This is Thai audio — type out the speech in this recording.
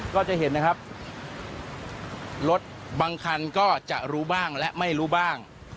ก็จะเห็นนะครับรถบางคันก็จะรู้บ้างและไม่รู้บ้าง